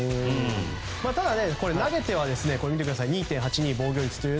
ただ、投げては２．８２という防御率。